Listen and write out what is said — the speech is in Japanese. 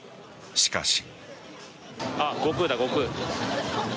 しかし。